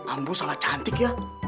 ambo salah cantik ya